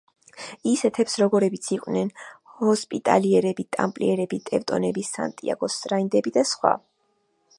ისეთებს როგორებიც იყვნენ: ჰოსპიტალიერები, ტამპლიერები, ტევტონები, სანტიაგოს რაინდები და სხვა.